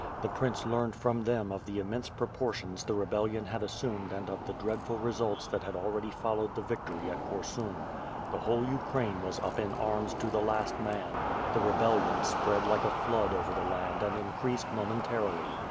The prince learned from them of the immense proportions the rebellion had assumed and of the dreadful results that had already followed the victory at Korsun. The whole Ukraine was up in arms to the last man; the rebellion spread like a flood over the land and increased momentarily.